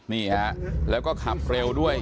นี่ฮะแล้วก็ขับเร็วด้วย